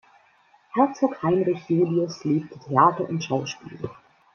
Herzog Heinrich Julius liebte Theater und Schauspiel.